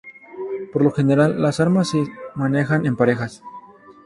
Por lo general las armas se manejan en parejas.